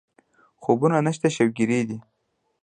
خوبونه نشته شوګېري دي